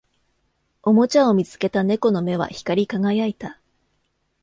おもちゃを見つけた猫の目は光り輝いた